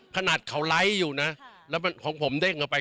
ขนาดเขาไลค์อยู่นะแล้วของผมเด้งออกไป